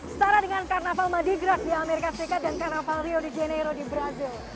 setara dengan karnaval madigraft di amerika serikat dan karnaval rio de janeiro di brazil